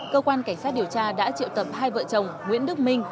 cơ quan cảnh sát điều tra đã triệu tập hai vợ chồng nguyễn đức minh